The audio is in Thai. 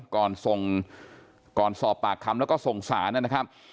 ก่อนสอบปากคำและก็ส่งศานะครับ